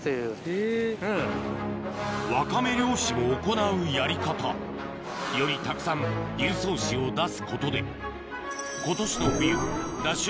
ワカメ漁師も行うやり方よりたくさん遊走子を出すことで今年の冬ＤＡＳＨ